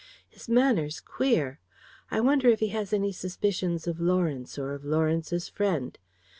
His manner's queer. I wonder if he has any suspicions of Lawrence, or of Lawrence's friend.